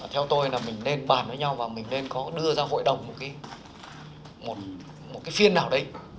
theo tôi là mình nên bàn với nhau và mình nên có đưa ra hội đồng một cái phiên nào đấy